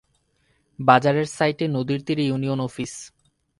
বাজারের সাইটে নদীর তীরে ইউনিয়ন অফিস।